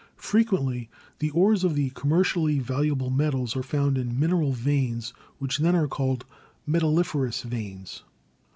Frequently the ores of the commercially valuable metals 178 GEOLOGY are found in mineral veins, which then are called metal liferous veins.